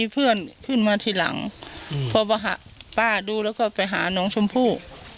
เพื่อนขึ้นมาทีหลังเพราะว่าป้าดูแล้วก็ไปหาน้องชมพู่